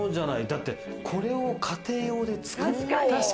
だってこれを家庭用で作る？